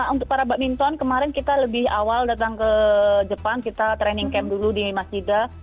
untuk para badminton kemarin kita lebih awal datang ke jepang kita training camp dulu di masjidda